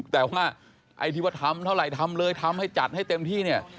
แต่ว่าไอ้ที่ว่าทำเท่าไหร่ทำเลยทำให้จัดให้เต็มที่เนี่ย